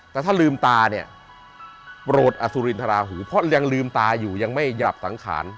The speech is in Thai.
แต่ถ้าลืมตาเนี่ยโปรดอสุรินทราหูเพราะยังลืมตาอยู่ยังไม่หยาบสังขาร